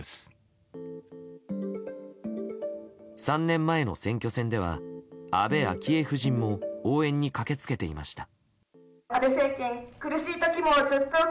３年前の選挙戦では安倍昭恵夫人も応援に駆けつけていました。